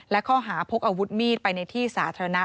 และข้อหาพกอาวุธมีดไปในที่สาธารณะ